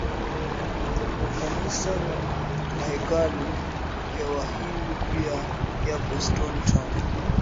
Makanisa na mahekalu ya wahindu pia yapo stone town